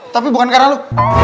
tapi bukan karena lo